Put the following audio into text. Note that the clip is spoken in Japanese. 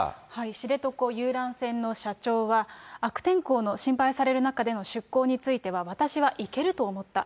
知床遊覧船の社長は、悪天候の心配される中での出港については、私は行けると思った。